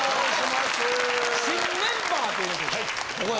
新メンバーということで。